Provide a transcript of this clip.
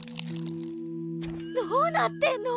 どうなってんの！？